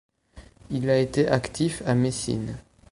Il a été actif à Messine.